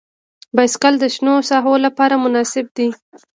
بایسکل د شنو ساحو لپاره مناسب دی.